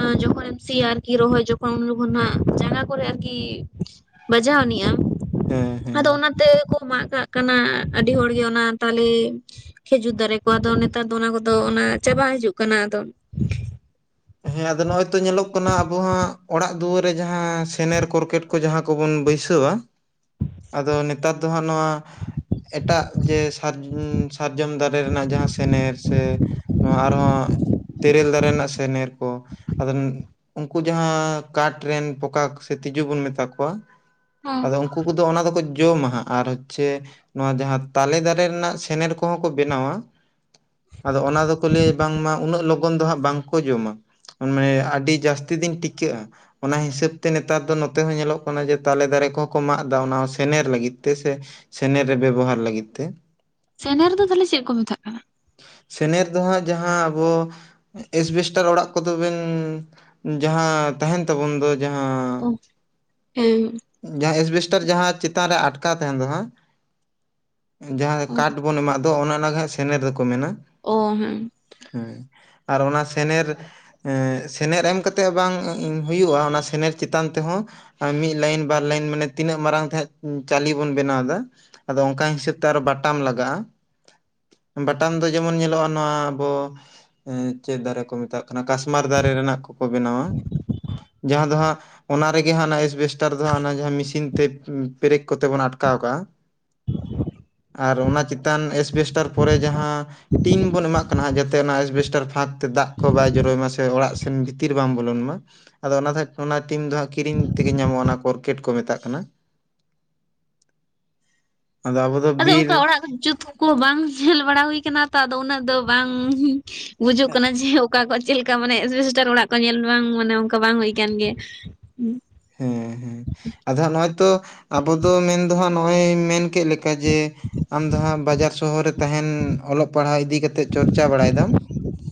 ᱟ ᱡᱚᱠᱷᱚᱱᱮᱢ ᱥᱤᱭᱟ ᱟᱨᱠᱤ ᱨᱚᱦᱚᱭ ᱡᱚ ᱩᱱ ᱡᱚᱠᱷᱚᱱᱟᱜ ᱡᱟᱸᱜᱟ ᱠᱚᱨᱮ ᱟᱨᱠᱤ ᱵᱟᱡᱟᱣᱟ ᱟᱱᱤᱡ-ᱟᱢ ᱦᱮᱸ ᱦᱮᱸ ᱟᱫᱚ ᱚᱱᱟᱛᱮ ᱠᱚ ᱢᱟᱜ ᱠᱟᱜ ᱠᱟᱱᱟ ᱟᱹᱰᱤ ᱦᱚᱲᱜᱮ ᱚᱱᱟ ᱛᱟᱞᱮ ᱠᱷᱮᱡᱩᱨ ᱫᱟᱨᱮ ᱠᱚ ᱟᱫᱚ ᱱᱮᱛᱟᱨ ᱫᱚ ᱚᱱᱟ ᱠᱚᱫᱚ ᱚᱱᱟ ᱪᱟᱵᱟ ᱦᱤᱡᱩᱜ ᱠᱟᱱᱟ ᱟᱫᱚ᱾ ᱦᱮᱸ ᱟᱫᱚ ᱱᱚᱜ-ᱚᱭ ᱛᱚ ᱧᱮᱞᱚᱜ ᱠᱟᱱᱟ ᱟᱵᱚ ᱦᱟᱸᱜ ᱚᱲᱟᱜ ᱫᱩᱣᱟᱹᱨ ᱨᱮ ᱡᱟᱦᱟᱸ ᱥᱮᱱᱮᱨ ᱠᱚᱨᱠᱮᱴ ᱠᱚ ᱡᱟᱦᱟᱸ ᱠᱚᱵᱚᱱ ᱵᱟᱹᱭᱥᱟᱹᱣ-ᱟ ᱟᱫᱚ ᱱᱮᱛᱟᱨ ᱫᱚ ᱦᱟᱸᱜ ᱱᱚᱣᱟ ᱮᱴᱟᱜ ᱡᱮ ᱥᱟᱨ ᱥᱟᱨᱡᱚᱢ ᱫᱟᱨᱮ ᱨᱮᱱᱟᱜ ᱡᱟᱦᱟᱸ ᱥᱮᱱᱮᱨ ᱥᱮ ᱱᱚᱣᱟ ᱟᱨᱦᱚᱸ ᱛᱮᱨᱮᱞ ᱫᱟᱨᱮ ᱨᱮᱱᱟᱜ ᱥᱮᱱᱮᱨ ᱠᱚ ᱟᱫᱚ ᱩᱱᱠᱩ ᱡᱟᱦᱟᱸ ᱠᱟᱴ ᱨᱮᱱ ᱯᱚᱠᱟ ᱥᱮ ᱛᱤᱡᱩ ᱵᱚᱱ ᱢᱮᱛᱟ ᱠᱚᱣᱟ ᱦᱮᱸ ᱟᱫᱚ ᱩᱱᱠᱩ ᱠᱚᱫᱚ ᱚᱱᱟ ᱫᱚᱠᱚ ᱡᱚᱢᱟ ᱦᱟᱸᱜ ᱟᱨ ᱦᱚᱪᱪᱷᱮ ᱱᱚᱣᱟ ᱡᱟᱦᱟᱸ ᱛᱟᱞᱮ ᱫᱟᱨᱮ ᱨᱮᱱᱟᱜ ᱥᱮᱱᱮᱨ ᱠᱚᱦᱚᱸ ᱠᱚ ᱵᱮᱱᱟᱣᱟ ᱟᱫᱚ ᱚᱱᱟ ᱫᱚᱠᱚ ᱞᱟᱹᱭᱟ ᱵᱟᱝᱢᱟ ᱩᱱᱟᱹᱜ ᱞᱚᱜᱚᱱ ᱫᱚ ᱦᱟᱸᱜ ᱵᱟᱝᱠᱚ ᱡᱚᱢᱟ᱾ ᱢᱮᱱᱢᱮ ᱟᱹᱰᱤ ᱡᱟᱹᱥᱛᱤ ᱫᱤᱱ ᱴᱤᱠᱟᱹᱜ-ᱟ᱾ ᱚᱱᱟ ᱦᱤᱥᱟᱹᱵ ᱛᱮ ᱱᱮᱛᱟᱨ ᱫᱚ ᱱᱚᱛᱮ ᱦᱚᱸ ᱧᱮᱞᱚᱜ ᱠᱟᱱᱟ ᱡᱮ ᱛᱟᱞᱮ ᱫᱟᱨᱮ ᱠᱚᱦᱚᱸ ᱠᱚ ᱢᱟᱜ ᱮᱫᱟ ᱚᱱᱟ ᱦᱚᱸ ᱥᱮᱱᱮᱨ ᱞᱟᱹᱜᱤᱫ ᱛᱮᱥᱮ ᱥᱮᱱᱮᱨ ᱨᱮ ᱵᱮᱵᱚᱦᱟᱨ ᱞᱟᱹᱜᱤᱫ ᱛᱮ᱾ ᱥᱮᱱᱮᱨ ᱫᱚ ᱛᱟᱦᱚᱞᱮ ᱪᱮᱫ ᱠᱚ ᱢᱮᱛᱟᱜ ᱠᱟᱱᱟ? ᱥᱮᱱᱮᱨ ᱫᱚ ᱦᱟᱸᱜ ᱡᱟᱦᱟᱸ ᱟᱵᱚ ᱮᱥᱵᱮᱥᱴᱟᱨ ᱚᱲᱟᱜ ᱠᱚᱫᱚᱵᱮᱱ ᱡᱟᱦᱟᱸ ᱛᱟᱦᱮᱱ ᱛᱟᱵᱚᱱ ᱫᱚ ᱡᱟᱦᱟᱸ ᱚ ᱦᱮᱸ ᱡᱟᱦᱟᱸ ᱮᱥᱵᱮᱥᱴᱟᱨ ᱡᱟᱦᱟᱸ ᱪᱮᱛᱟᱱ ᱨᱮ ᱟᱴᱠᱟᱣ ᱛᱟᱦᱮᱱ ᱫᱚ ᱦᱟᱸᱜ ᱡᱟᱦᱟᱸ ᱠᱟᱴ ᱵᱚᱱ ᱮᱢᱟᱜ ᱫᱚ ᱚᱱᱟ ᱟᱱᱟᱜᱮ ᱦᱟᱸᱜ ᱥᱮᱱᱮᱨ ᱫᱚᱠᱚ ᱢᱮᱱᱟ᱾ ᱚ ᱦᱮᱸ᱾ ᱦᱮᱸ ᱟᱨ ᱚᱱᱟ ᱥᱮᱱᱮᱨ ᱮᱸ ᱥᱮᱱᱮᱨ ᱮᱢ ᱠᱟᱛᱮᱜ ᱦᱚᱸ ᱵᱟᱝ [unintelligible] ᱦᱩᱭᱩᱜ-ᱟ ᱚᱱᱟ ᱥᱮᱱᱮᱨ ᱪᱮᱛᱟᱱ ᱛᱮᱦᱚᱸ ᱢᱤᱫ ᱞᱟᱭᱤᱱ ᱵᱟᱨ ᱞᱟᱭᱤᱱ ᱢᱟᱱᱮ ᱛᱤᱱᱟᱹᱜ ᱢᱟᱨᱟᱝ ᱛᱮ ᱦᱟᱸᱜ ᱪᱟᱞᱤ ᱵᱚᱱ ᱵᱮᱱᱟᱣ ᱫᱟ᱾ ᱟᱫᱚ ᱚᱱᱠᱟ ᱦᱤᱥᱟᱹᱵ ᱛᱮ ᱟᱨ ᱵᱟᱴᱟᱢ ᱞᱟᱜᱟᱜᱼᱟ᱾ ᱵᱟᱴᱟᱱ ᱫᱚ ᱡᱮᱢᱚᱱ ᱧᱮᱞᱚᱜ-ᱟ ᱱᱚᱣᱟ ᱟᱵᱚ ᱮᱸ ᱪᱮᱫ ᱫᱟᱨᱮ ᱠᱚ ᱢᱮᱛᱟᱜ ᱠᱟᱱᱟ ᱠᱟᱥᱢᱟᱨ ᱫᱟᱨᱮ ᱨᱮᱱᱟᱜ ᱠᱚᱠᱚ ᱵᱮᱱᱟᱣᱟ ᱡᱟᱦᱟᱸ ᱫᱚ ᱦᱟᱸᱜ ᱚᱱᱟ ᱨᱮᱜᱮ ᱦᱟᱸᱜ ᱚᱱᱟ ᱮᱥᱵᱮᱥᱴᱟᱨ ᱫᱚ ᱦᱟᱸᱜ ᱚᱱᱟ ᱡᱟᱦᱟᱸ ᱢᱮᱥᱤᱱ ᱛᱮ ᱯᱮᱨᱮᱠ ᱠᱚᱛᱮ ᱵᱚᱱ ᱟᱴᱠᱟᱣ ᱠᱟᱜ-ᱟ᱾ ᱟᱨ ᱚᱱᱟ ᱪᱮᱛᱟᱱ ᱮᱥᱵᱮᱥᱴᱟᱨ ᱯᱚᱨᱮ ᱡᱟᱦᱟᱸ ᱴᱤᱱ ᱵᱚᱱ ᱮᱢᱟᱜ ᱠᱟᱱᱟ ᱡᱟᱛᱮ ᱚᱱᱟ ᱮᱥᱵᱮᱥᱴᱟᱨ ᱯᱷᱟᱸᱠ ᱛᱮ ᱫᱟᱜ ᱠᱚ ᱵᱟᱭ ᱡᱚᱨᱚᱭ ᱢᱟ ᱥᱮ ᱚᱲᱟᱜ ᱥᱮᱱ ᱵᱷᱤᱛᱤᱨ ᱵᱟᱝ ᱵᱚᱞᱚᱱ ᱢᱟ᱾ ᱟᱫᱚ ᱚᱱᱟ ᱫᱚ [unintelligible] ᱚᱱᱟ ᱴᱤᱢ ᱫᱚ ᱦᱟᱸᱜ ᱠᱤᱨᱤᱧ ᱛᱮᱜᱮ ᱧᱟᱢᱚᱜ-ᱟ ᱚᱱᱟ ᱠᱚᱨᱠᱮᱴ ᱠᱚ ᱢᱮᱛᱟᱜ ᱠᱟᱱᱟ᱾ [inaudible] ᱟᱫᱚ ᱟᱵᱚ ᱫᱚ ᱟᱫᱚ ᱵᱤᱨ ᱚᱱᱠᱟ ᱚᱲᱟᱜ ᱡᱩᱛ ᱠᱚ ᱠᱚ ᱵᱟᱝ ᱧᱮᱞ ᱵᱟᱲᱟ ᱦᱩᱭ ᱠᱟᱱᱟ ᱛᱚ ᱟᱫᱚ ᱩᱱᱟᱹᱜ ᱫᱚ ᱵᱟᱝ ᱵᱩᱡᱩᱜ ᱠᱟᱱᱟ ᱡᱮ ᱚᱠᱟ ᱠᱚ ᱪᱮᱞᱠᱟ ᱢᱟᱱᱮ ᱮᱥᱵᱮᱥᱴᱟᱨ ᱚᱲᱟᱜ ᱠᱚ ᱧᱮᱞ ᱵᱟᱝ ᱢᱟᱱᱮ ᱚᱱᱠᱟ ᱵᱟᱝ ᱦᱩᱭ ᱟᱠᱟᱱ ᱜᱮᱭᱟ᱾ ᱦᱮᱸ ᱦᱮᱸ ᱟᱫᱚ ᱦᱟᱸᱜ ᱱᱚᱜ-ᱚᱭ ᱛᱚ ᱟᱵᱚ ᱫᱚ ᱢᱮᱱ ᱫᱚ ᱦᱟᱸᱜ ᱱᱚᱜ-ᱚᱭ ᱢᱮᱱ ᱠᱮᱜ ᱞᱮᱠᱟ ᱡᱮ ᱟᱢ ᱫᱚ ᱦᱟᱸᱜ ᱵᱟᱡᱟᱨ ᱥᱚᱦᱚᱨ ᱨᱮ ᱛᱟᱦᱮᱱ ᱚᱞᱚᱜ ᱯᱟᱲᱦᱟᱣ ᱤᱫᱤ ᱠᱟᱛᱮᱜ ᱪᱚᱨᱪᱟᱣ ᱵᱟᱲᱟᱭ ᱫᱟᱢ᱾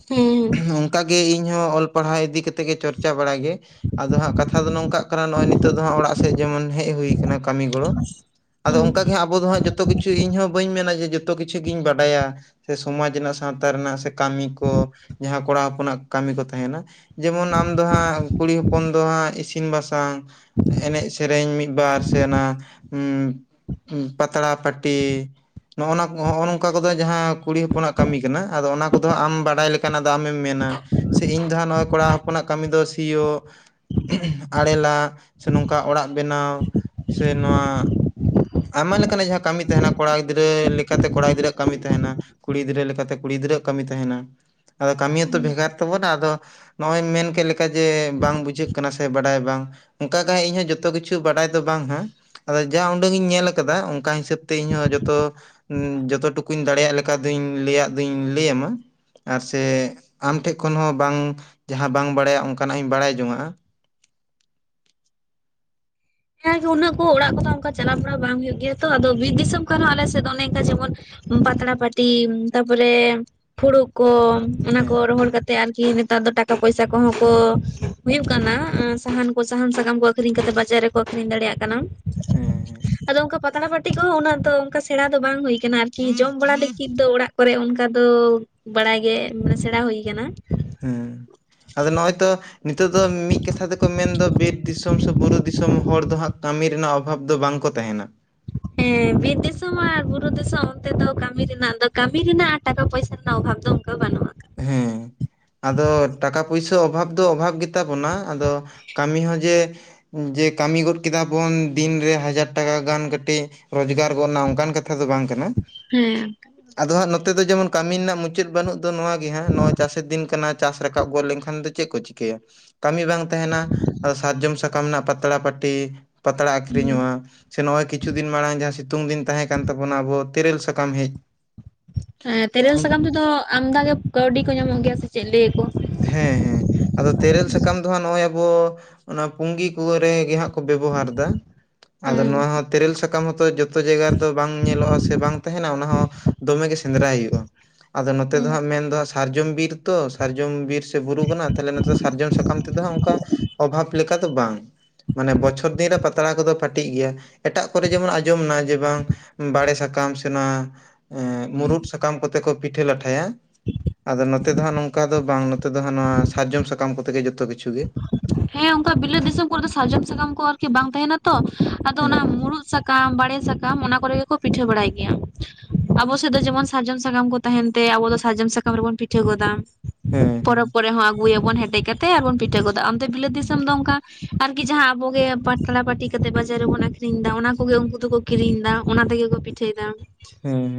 ᱦᱮᱸᱻ ᱚᱱᱠᱟᱜᱮ ᱤᱧᱦᱚᱸ ᱚᱞ ᱯᱟᱲᱦᱟᱣ ᱤᱫᱤ ᱠᱟᱛᱮᱜ ᱜᱮ ᱪᱚᱨᱪᱟ ᱵᱟᱲᱟᱭ ᱜᱤᱭᱟᱹᱧ ᱟᱫᱚ ᱦᱟᱸᱜ ᱠᱟᱛᱷᱟ ᱫᱚ ᱱᱚᱝᱠᱟᱜ ᱟᱫᱚ ᱱᱚᱜ-ᱚᱭ ᱱᱤᱛᱚᱜ ᱫᱚ ᱦᱚᱜ-ᱚ ᱚᱲᱟᱜ ᱥᱮᱫ ᱡᱮᱢᱚᱱ ᱦᱮᱡ ᱦᱩᱭ ᱟᱠᱟᱱᱟ ᱠᱟᱢᱤ ᱜᱚᱲᱚ ᱟᱫᱚ ᱦᱮᱸ ᱚᱱᱠᱟ ᱜᱮ ᱦᱟᱸᱜ ᱡᱚᱛᱚ ᱠᱤᱪᱷ ᱤᱧ ᱦᱚᱸ ᱵᱟᱹᱧ ᱢᱮᱱᱟ ᱡᱮ ᱡᱚᱛᱚ ᱠᱤᱪᱷᱩ ᱜᱤᱧ ᱵᱟᱰᱟᱭᱟ ᱥᱮ ᱥᱚᱢᱟᱡᱽ ᱨᱮᱱᱟᱜ ᱥᱟᱶᱛᱟ ᱨᱮᱱᱟᱜ ᱥᱮ ᱠᱟᱢᱤ ᱠᱚ ᱡᱟᱦᱟᱸ ᱠᱚᱲᱟ ᱦᱚᱯᱚᱱᱟᱜ ᱠᱟᱢᱤ ᱠᱚ ᱛᱟᱦᱮᱱᱟ, ᱡᱮᱢᱚᱱ ᱟᱢ ᱫᱚ ᱦᱟᱸᱜ ᱠᱩᱲᱤ ᱦᱚᱯᱚᱱ ᱫᱚ ᱦᱟᱸᱜ ᱤᱥᱤᱱ ᱵᱟᱥ ᱟᱸ ᱮᱱᱮᱡ ᱥᱮᱹᱨᱮᱹᱧ ᱢᱤᱫᱵᱟᱨ ᱥᱮ ᱚᱱᱟ ᱩᱸᱦ ᱯᱟᱛᱲᱟ ᱯᱟᱴᱤ ᱱᱚᱜ ᱱᱚᱣᱟ ᱱᱚᱝᱠᱟ ᱠᱚᱫᱚ ᱡᱟᱦᱟᱸ ᱠᱩᱲᱤ ᱦᱚᱯᱚᱱᱟᱜ ᱠᱟᱹᱢᱤ ᱠᱟᱱᱟ ᱟᱫᱚ ᱚᱱᱟ ᱠᱚᱫᱚ ᱟᱢ ᱵᱟᱰᱟᱭ ᱞᱮᱠ ᱚᱱᱟ ᱫᱚ ᱟᱢᱮᱢ ᱢᱮᱱᱟ ᱥᱮ ᱤᱧ ᱫᱚ ᱦᱟᱸᱜ ᱠᱚᱲᱟ ᱦᱚᱯᱚᱱᱟᱜ ᱠᱟᱹᱢᱤ ᱫᱚ ᱥᱤ ᱭᱳᱜ ᱷᱩᱸᱦ ᱟᱲᱮᱹᱞᱟᱜ ᱥᱮ ᱱᱚᱝᱠᱟ ᱚᱲᱟᱜ ᱵᱮᱱᱟᱣ ᱥᱮ ᱱᱚᱣᱟ ᱟᱭᱢᱟ ᱞᱮᱠᱟᱱᱟᱜ ᱡᱟᱦᱟᱸ ᱠᱟᱢᱤ ᱛᱟᱦᱮᱱᱟ ᱠᱚᱲᱟ ᱜᱤᱫᱽᱨᱟᱹ ᱞᱮᱠᱟᱛᱮ ᱠᱚᱲᱟ ᱜᱤᱫᱽᱨᱟᱹᱣᱟᱜ ᱠᱟᱢᱤ ᱛᱟᱦᱮᱱᱟ ᱾ ᱠᱩᱲᱤ ᱜᱤᱫᱽᱨᱟᱹ ᱞᱮᱠᱟᱛᱮ ᱠᱩᱲᱤ ᱜᱤᱫᱽᱨᱟᱹ ᱟᱜ ᱠᱟᱹᱢᱤ ᱛᱟᱦᱮᱱᱟ ᱾ ᱟᱫᱚ ᱠᱟᱢᱤ ᱦᱚᱸᱛᱚ ᱵᱷᱮᱜᱟᱨ ᱛᱟᱵᱚᱱᱟ ᱟᱫᱚ ᱱᱚᱜᱚᱭ ᱮᱢ ᱢᱮᱱ ᱠᱮᱜ ᱞᱮᱠᱟ ᱡᱮ ᱵᱟᱝ ᱵᱩᱡᱷᱟᱹᱜ ᱠᱟᱱᱟ ᱥᱮ ᱵᱟᱰᱟᱭ ᱵᱟᱝ, ᱚᱝᱠᱟ ᱜᱮ ᱤᱧᱦᱚᱸ ᱡᱚᱛᱚ ᱠᱤᱪᱷᱩ ᱵᱟᱰᱟᱭ ᱫᱚ ᱵᱟᱝ ᱦᱟᱸ ᱾ ᱟᱫᱚ ᱡᱟ ᱩᱰᱟᱹᱝ ᱤᱧ ᱧᱮᱞ ᱟᱠᱟᱫᱟ ᱚᱱᱠᱟ ᱦᱤᱥᱟᱹᱵᱽ ᱛᱮ ᱤᱧᱦᱚᱸ ᱡᱚᱛᱚ ᱾ ᱡᱚᱛᱚ ᱴᱩᱠᱩᱧ ᱫᱟᱲᱮᱹᱭᱟᱜ ᱞᱮᱠᱟ ᱫᱩᱧ ᱞᱟᱹᱭᱟᱜ ᱫᱩᱧ ᱞᱟᱹᱭ ᱟᱟᱢᱟ ᱟᱨ ᱥᱮ ᱟᱢ ᱴᱷᱮᱡ ᱠᱷᱚᱱ ᱦᱚᱸ ᱵᱟᱝ ᱡᱟᱦᱟᱸ ᱵᱟᱝ ᱵᱟᱲᱟᱭᱟ ᱚᱱᱠᱟᱱᱟᱜ ᱤᱧ ᱵᱟᱲᱟᱭ ᱡᱚᱝᱟᱸᱜᱼᱟ ᱾ ᱦᱮᱸ ᱱᱩᱱᱟᱹᱜ ᱠᱚ ᱚᱲᱟᱜ ᱠᱟᱫᱟ ᱚᱱᱠᱟ ᱪᱟᱞᱟᱣ ᱵᱟᱲᱟ ᱵᱟᱝ ᱦᱳᱭᱳᱜ ᱜᱮᱭᱟ ᱛᱚ ᱟᱫᱚ ᱵᱤᱨ ᱫᱤᱥᱚᱢ ᱠᱷᱚᱱ ᱦᱚᱸ ᱟᱞᱮ ᱥᱮᱫ ᱫᱚ ᱚᱱᱮ ᱚᱝᱠᱟ ᱡᱮᱢᱚᱱ ᱯᱟᱛᱲᱟ ᱯᱟᱹᱴᱤ ᱛᱟᱯᱚᱨᱮ ᱯᱷᱩᱲᱩᱜ ᱠᱚ ᱚᱱᱟ ᱠᱚ ᱦᱮᱸ ᱨᱚᱦᱚᱲ ᱠᱟᱛᱮᱜ ᱟᱨᱠᱤ ᱱᱮᱛᱟᱨ ᱫᱚ ᱴᱟᱠᱟ ᱯᱚᱭᱥᱟ ᱠᱚᱦᱚᱸ ᱠᱚ ᱦᱩᱭᱩᱜ ᱠᱟᱱᱟ ᱥᱟᱦᱟᱱ ᱠᱚ ᱥᱟᱦᱟᱱ ᱥᱟᱠᱟᱢ ᱠᱚ ᱟᱹᱠᱷᱨᱤᱧ ᱠᱟᱛᱮ ᱵᱟᱡᱟᱨ ᱨᱮ ᱠᱚ ᱟᱹᱠᱷᱨᱤᱧ ᱫᱟᱲᱮᱭᱟᱜ ᱠᱟᱱᱟ, ᱦᱮᱸ ᱦᱮᱸ ᱟᱫᱚ ᱚᱱᱠᱟ ᱯᱟᱛᱲᱟ ᱯᱟᱹᱴᱤ ᱠᱚᱦᱚᱸ ᱩᱱᱟᱹᱜ ᱫᱚ ᱚᱱᱠᱟ ᱥᱮᱬᱟ ᱫᱚ ᱵᱟᱝ ᱦᱳᱭ ᱚᱱᱟ ᱟᱨᱠᱤ ᱡᱚᱢ ᱵᱟᱲᱟ ᱞᱟᱹᱜᱤᱫ ᱫᱚ ᱚᱲᱟᱜ ᱠᱚᱨᱮ ᱚᱱᱠᱟ ᱫᱚ ᱵᱟᱲᱟᱭ ᱜᱮ ᱢᱟᱱᱮ ᱥᱮᱬᱟ ᱦᱩᱭ ᱠᱟᱱᱟ ᱾ ᱦᱩ ᱟᱫᱚ ᱱᱚᱜᱼᱚᱭ ᱛᱚ ᱱᱤᱛᱚᱜ ᱫᱚ ᱢᱤᱫ ᱠᱟᱛᱷᱟ ᱛᱮᱠᱚ ᱢᱮᱱᱫᱚ ᱵᱤᱨ ᱫᱤᱥᱚᱢ ᱥᱮ ᱵᱩᱨᱩ ᱫᱤᱥᱚᱢ ᱦᱚᱲ ᱫᱚ ᱦᱟᱸᱜ ᱠᱟᱹᱢᱤ ᱨᱮᱱᱟᱜ ᱚᱵᱷᱟᱵᱽ ᱫᱚ ᱵᱟᱝ ᱠᱚ ᱛᱟᱦᱮᱱᱟ ᱾ ᱦᱮᱸ, ᱵᱤᱨ ᱫᱤᱥᱚᱢ ᱟᱨ ᱵᱩᱨᱩ ᱫᱤᱥᱚᱢ ᱚᱱᱛᱮ ᱫᱚ ᱠᱟᱹᱢᱤ ᱨᱮᱱᱟᱜ ᱫᱚ ᱠᱟᱹᱢᱤ ᱨᱮᱱᱟᱜ ᱴᱟᱠᱟ ᱯᱚᱭᱥᱟ ᱨᱮᱱᱟᱜ ᱚᱵᱷᱟᱵᱽ ᱫᱚ ᱚᱱᱠᱟ ᱵᱟᱱᱩᱜᱼᱟ ᱾ ᱦᱩᱸ ᱟᱫᱚ ᱴᱟᱠᱟ ᱯᱩᱭᱥᱟᱹ ᱚᱵᱷᱟᱵᱽ ᱫᱚ ᱚᱵᱷᱟᱵᱷ ᱜᱤᱛ ᱛᱟᱵᱚᱱᱟ, ᱟᱫᱚ ᱠᱟᱢᱤ ᱦᱚᱸ ᱡᱮ ᱡᱮ, ᱠᱟᱢᱤ ᱜᱚᱫ ᱠᱮᱫᱟᱵᱚᱱ ᱫᱤᱱᱨᱮ ᱦᱟᱡᱟᱨ ᱴᱟᱠᱟ ᱜᱟᱱ ᱠᱟᱹᱴᱤᱡ ᱨᱚᱡᱽ ᱜᱟᱨ ᱜᱚᱫ ᱮᱱᱟ ᱚᱱᱠᱟᱱ ᱠᱟ ᱛᱷᱟ ᱫᱚ ᱵᱟᱝ ᱠᱟᱱᱟ ᱦᱮᱸ ᱟᱫᱚ ᱦᱟᱸᱜ ᱱᱚᱛᱮ ᱫᱚ ᱡᱮᱢᱚᱱ ᱠᱟᱢᱤ ᱨᱮᱱᱟᱜ ᱢᱩᱪᱟᱹᱫ ᱵᱟᱹᱱᱩᱜ ᱫᱚ ᱱᱚᱣᱟ ᱱᱤᱛ ᱜᱮ ᱦᱟᱸᱜ ᱱᱚᱜ ᱚᱭ ᱪᱟᱥᱮᱫ ᱫᱤᱱ ᱠᱟᱱᱟ ᱪᱟᱥ ᱨᱟᱠᱟᱵ ᱜᱚᱫ ᱞᱮᱱᱠᱷᱟᱱ ᱫᱚ ᱪᱮᱜ ᱠᱚ ᱪᱤᱠᱟᱹᱭᱟ ᱠᱟᱢᱤ ᱵᱟᱝ ᱛᱟᱦᱮᱱᱟ ᱟᱫᱚ ᱥᱟᱨᱡᱚᱢ ᱥᱟᱠᱟᱢ ᱨᱮᱱᱟᱜ ᱯᱟᱛᱲᱟ ᱯᱟᱴᱤ ᱯᱟᱛᱲᱟ ᱦᱩᱸ ᱟᱠᱷᱨᱤᱧᱚᱜᱼᱟ ᱥᱮ ᱱᱚᱜᱼᱚᱭ ᱠᱤᱪᱷᱩ ᱫᱤᱱ ᱢᱟᱲᱟᱝ ᱡᱟᱦᱟᱸ ᱥᱤᱛᱩᱝ ᱫᱤᱱ ᱛᱟᱦᱮᱸ ᱠᱟᱱ ᱛᱟᱵᱚᱱᱟ ᱟᱵᱚ ᱛᱮᱹᱨᱮᱹᱞ ᱥᱟᱠᱟᱢ ᱦᱮᱡ ᱮᱸ ᱛᱮᱹᱨᱮ ᱞ ᱥᱟᱠᱟᱢ ᱛᱮᱫᱚ ᱟᱢᱫᱟ ᱜᱮ ᱠᱟᱹᱣᱰᱤ ᱠᱚ ᱧᱟᱢᱚᱜ ᱜᱮᱭᱟ ᱥᱮ ᱪᱮᱫ ᱞᱟᱹᱭᱟᱠᱚ? ᱦᱮᱸ ᱦᱮᱸ, ᱟᱫᱚ ᱛᱮᱹᱨᱮᱹᱞ ᱥᱟᱠᱟᱢ ᱫᱚ ᱦᱟᱸᱜ ᱱᱚᱜᱼᱚᱭ ᱟᱵᱚ ᱚᱱᱟ ᱯᱩᱸᱜᱤ ᱠᱚ ᱨᱮ ᱜᱮ ᱦᱟᱸᱜ ᱠᱚ ᱵᱮᱵᱚᱦᱟᱨ ᱫᱟ ᱟᱫᱚ ᱦᱮᱸ ᱱᱚᱣᱟ ᱦᱚᱸ ᱛᱮᱹᱨᱮᱹᱞ ᱥᱟᱠᱟᱢ ᱦᱚᱸᱛᱚ ᱡᱚ ᱛᱚ ᱡᱟᱭᱜᱟ ᱨᱮᱫᱚ ᱵᱟᱝ ᱧᱮᱞᱚᱜᱼᱟ ᱥᱮ ᱵᱟᱝ ᱛᱟᱦᱮᱱᱟ ᱚᱱᱟ ᱦᱚᱸ ᱫᱚᱢᱮ ᱜᱮ ᱥᱮᱸᱫᱽᱨᱟᱭ ᱦᱳᱭᱜᱼᱟ ᱾ ᱟᱫᱚ ᱱᱚᱛᱮ ᱫᱚ ᱦᱮᱸ ᱦᱟᱸᱜ ᱢᱮᱱᱫᱚ ᱥᱟᱨᱡᱚᱢ ᱵᱤᱨ ᱛᱚ ᱥᱟᱨᱡᱚᱢ ᱵᱤᱨ ᱥᱮ ᱵᱩᱨᱩ ᱠᱟᱱᱟ ᱛᱟᱞᱦᱮ ᱱᱚᱛᱮ ᱫᱚ ᱥᱟᱨᱡᱚᱢ ᱥᱟᱠᱟᱢ ᱛᱮᱫᱚ ᱦᱟᱸᱜ ᱚᱱᱠᱟ ᱚᱵᱷᱟᱵᱽ ᱞᱮᱠᱟ ᱫᱚ ᱵᱟᱝ ᱾ ᱢᱟᱱᱮ ᱵᱚᱪᱷᱚᱨ ᱫᱤᱱ ᱨᱮ ᱯᱟᱛᱲᱟ ᱠᱚᱫᱚ ᱯᱟᱴᱤᱜ ᱜᱮᱭᱟ ᱮᱴᱟᱜ ᱠᱚᱨᱮ ᱡᱮᱢᱚᱱ ᱟᱸᱡᱚᱢ ᱱᱟ ᱡᱮ ᱵᱟᱝ ᱵᱟᱲᱮᱹ ᱥᱟᱠᱟᱢ ᱥᱮ ᱱᱚᱣᱟ ᱮᱸᱻ ᱢᱩᱨᱩᱫ ᱥᱟᱠᱟᱢ ᱠᱚᱛᱮ ᱠᱚ ᱯᱤᱴᱷᱟᱹ ᱞᱟᱴᱷᱟᱭᱟ ᱾ ᱟᱫᱚ ᱱᱚᱛᱮ ᱫᱚ ᱦᱟᱸᱜ ᱱᱚᱝᱠᱟ ᱫᱚ ᱵᱟᱝ ᱱᱚᱛᱮ ᱫᱚ ᱦᱟᱸᱜ ᱱᱚᱣᱟ ᱥᱟᱨᱡᱚᱢ ᱥᱟᱠᱟᱢ ᱠᱚᱛᱮ ᱜᱮ ᱡᱚᱛᱚ ᱠᱤᱪᱷᱩ ᱜᱮ ᱾ ᱦᱮᱸ ᱚᱱᱠᱟ ᱵᱤᱞᱟᱹᱛ ᱫᱤᱥᱚᱢ ᱠᱚᱨᱮᱼᱫᱚ ᱥᱟᱨᱡᱚᱢ ᱥᱟᱠᱟᱢ ᱠᱚ ᱟᱨᱠᱤ ᱵᱟᱝ ᱛᱟᱦᱮᱱᱟ ᱛᱚ ᱟᱫᱚ ᱚᱱᱟ ᱦᱮᱸ ᱢᱩᱨᱩᱫ ᱥᱟᱠᱟᱢ ᱵᱟᱲᱮᱹ ᱥᱟᱠᱟᱢ ᱚᱱᱟ ᱠᱚᱨᱮ ᱜᱮᱠᱚ ᱯᱤᱴᱷᱟᱹ ᱵᱟᱲᱟᱭ ᱜᱮᱭᱟ ᱾ ᱟᱵᱚ ᱥᱮᱫ ᱫᱚ ᱡᱮᱢᱚᱱ ᱥᱟᱨᱡᱚᱢ ᱥᱟᱠᱟᱢ ᱠᱚ ᱛᱟᱦᱮᱱ ᱛᱮ ᱟᱵᱚ ᱫᱚ ᱥᱟᱨᱡᱚᱢ ᱥᱟᱠᱟᱢ ᱨᱮᱵᱚᱱ ᱯᱤᱴᱷᱟᱹ ᱜᱚᱫᱟ᱾ ᱦᱮᱸ ᱦᱮᱸ ᱯᱚᱨᱚᱵ ᱠᱚᱨᱮ ᱦᱚᱸ ᱟᱹᱜᱩᱭ ᱟᱵᱚᱱ ᱦᱮᱴᱮᱡ ᱠᱟᱛᱮ ᱟᱨᱵᱚᱱ ᱯᱤᱴᱷᱟᱹ ᱜᱚᱫᱟ, ᱟᱢ ᱵᱤᱞᱟᱹᱛ ᱫᱤᱥᱚᱢ ᱫᱚ ᱚᱱᱠᱟ ᱟᱨᱠᱤ ᱡᱟᱦᱟᱸ ᱟᱵᱚᱜᱮ ᱯᱟᱛᱲᱟ ᱯᱟᱹᱴᱤ ᱠᱟᱛᱮ ᱵᱟᱡᱟᱨ ᱨᱮᱵᱚᱱ ᱟᱠᱷᱨᱤᱧ ᱫᱟ ᱚᱱᱟ ᱠᱚᱜᱮ ᱩᱱᱠᱩ ᱫᱚᱠᱚ ᱠᱤᱨᱤᱧ ᱫᱟ ᱚᱱᱟ ᱛᱮᱜᱮ ᱠᱚ ᱯᱤᱴᱷᱟᱹᱭ ᱫᱟ᱾ [unintelligible]